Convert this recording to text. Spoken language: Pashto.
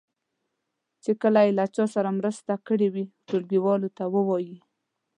چې کله یې له چا سره مرسته کړې وي ټولګیوالو ته یې ووایي.